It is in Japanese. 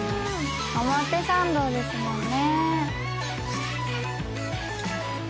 表参道ですもんね。